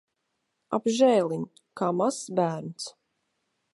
Apžēliņ! Kā mazs bērns.